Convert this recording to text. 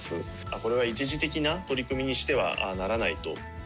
これは一時的な取り組みにしてはならないと。